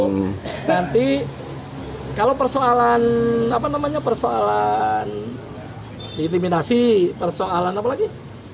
nanti kalau persoalan apa namanya persoalan intimidasi persoalan apa lagi